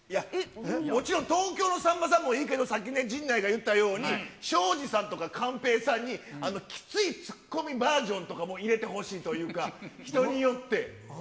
もちろん、東京のさんまさんもいいけど、さっき陣内が言ったように、ショージさんとか寛平さんにきついツッコミバージョンとかも入れてほしいというか、人によって。